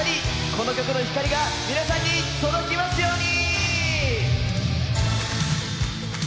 この曲の光が皆さんに届きますように！